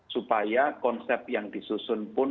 supaya konsep yang disusun pun